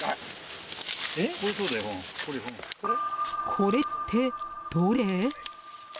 これって、どれ？